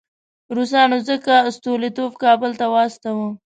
روسانو ځکه ستولیتوف کابل ته واستاوه.